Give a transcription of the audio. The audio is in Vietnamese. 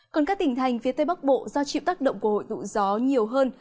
còn các tỉnh thành phía tây bắc bộ do chịu tác động của hội tụ gió nhiều hơn